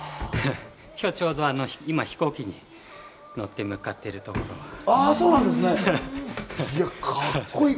今日ちょうど今、飛行機に乗って向かってるところなので、カッコいい。